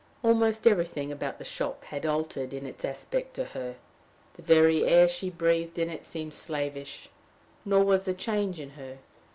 Almost everything about the shop had altered in its aspect to her. The very air she breathed in it seemed slavish. Nor was the change in her.